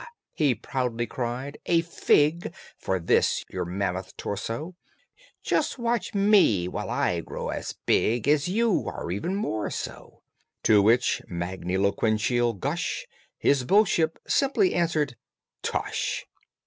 he proudly cried, "a fig For this, your mammoth torso! Just watch me while I grow as big As you or even more so!" To which magniloquential gush His bullship simply answered "Tush!"